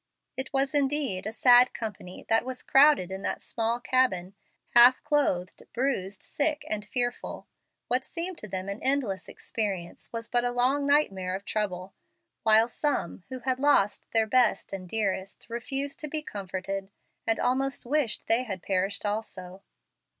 It was, indeed, a sad company that was crowded in that small cabin, half clothed, bruised, sick, and fearful. What seemed to them an endless experience was but a long nightmare of trouble, while some, who had lost their best and dearest, refused to be comforted and almost wished they had perished also.